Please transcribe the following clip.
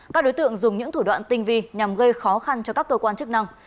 các đối tượng dùng những thủ đoạn tinh vi nhằm gây khó khăn cho các cơ quan chức năng